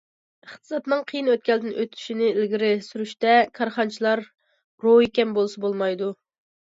ئىقتىسادنىڭ قىيىن ئۆتكەلدىن ئۆتۈشىنى ئىلگىرى سۈرۈشتە كارخانىچىلار روھى كەم بولسا بولمايدۇ.